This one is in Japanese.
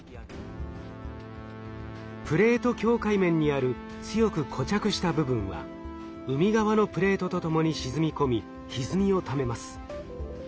プレート境界面にある強く固着した部分は海側のプレートとともに沈み込みひずみをためます。